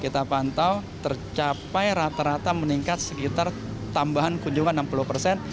kita pantau tercapai rata rata meningkat sekitar tambahan kunjungan enam puluh persen